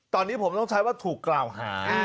ตอนนี้ผมต้องใช้ว่าถูกกล่าวหา